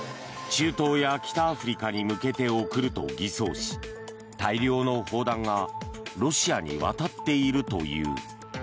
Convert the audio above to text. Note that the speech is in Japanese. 中東や北アフリカに向けて送ると偽装し大量の砲弾がロシアに渡っているという。